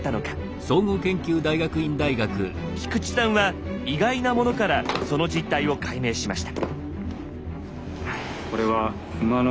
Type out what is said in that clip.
菊地さんは意外なものからその実態を解明しました。